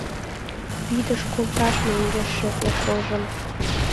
Вӱдыш колтыш мӧҥгеш шӧртньӧ колжым